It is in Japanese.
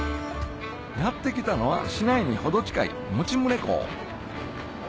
やって来たのは市内に程近い用宗港